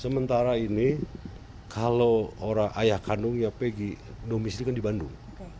sementara ini kalau orang ayah kandungnya pegi domestik kan di bandung